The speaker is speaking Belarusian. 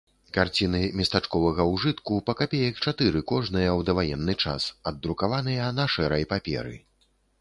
Карціны местачковага ўжытку, па капеек чатыры кожная ў даваенны час, аддрукаваныя на шэрай паперы.